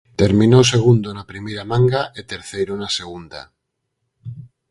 Terminou segundo na primeira manga e terceiro na segunda.